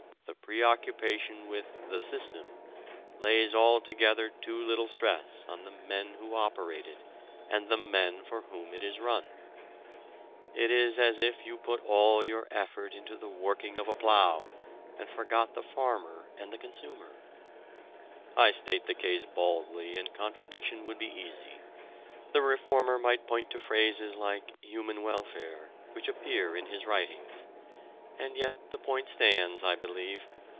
The preoccupation with the "system" lays altogether too little stress on the men who operate it and the men for whom it is run. It is as if you put all your effort into the working of a plough and forgot the farmer and the consumer. I state the case baldly and contradiction would be easy. The reformer might point to phrases like "human welfare" which appear in his writings. And yet the point stands, I believe.